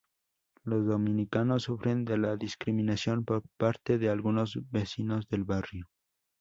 Los dominicanos sufren de la discriminación por parte de algunos vecinos del barrio.